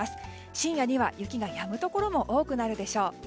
深夜には雪がやむところも多くなるでしょう。